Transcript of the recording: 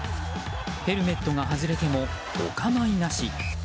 ヘルメットが外れてもお構いなし。